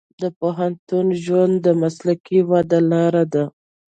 د پوهنتون ژوند د مسلکي ودې لار ده.